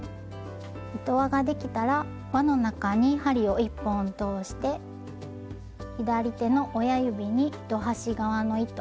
糸輪ができたら輪の中に針を１本通して左手の親指に糸端側の糸